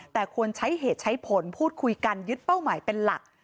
แต่ควรใช้เหตุใช้ผลพูดคุยกันยึดเป้าหมายเป็นหลัก